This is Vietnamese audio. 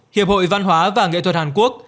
hiệp hội văn hóa và nghệ thuật hàn quốc